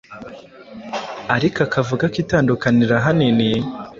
ariko akavuga ko itandukaniro ahanini